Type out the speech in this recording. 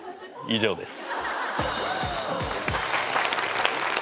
以上です。